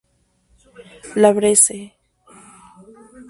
La Bresse